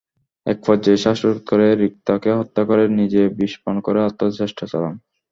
একপর্যায়ে শ্বাসরোধ করে রিক্তাকে হত্যা করে নিজে বিষপান করে আত্মহত্যার চেষ্টা চালান।